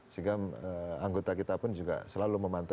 sehingga anggota kita pun juga selalu memantau